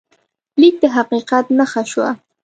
لیک د حقیقت نښه شوه.